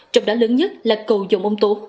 trong đó lớn nhất là cầu dòng ông tố